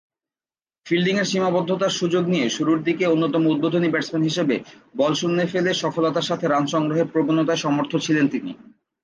ফিল্ডিংয়ের সীমাবদ্ধতার সুযোগ নিয়ে শুরুরদিকের অন্যতম উদ্বোধনী ব্যাটসম্যান হিসেবে বল শূন্যে ফেলে সফলতার সাথে রান সংগ্রহের প্রবণতায় সমর্থ ছিলেন তিনি।